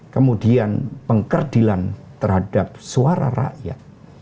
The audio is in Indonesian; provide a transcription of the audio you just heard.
kemudian pengkerdilan terhadap suara rakyat